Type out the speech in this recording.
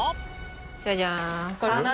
じゃじゃーん。